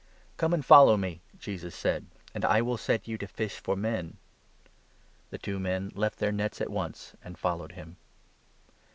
"Come and follow me," Jesus said, "and I will set you to fish for men." The two men left their nets at once and followed him.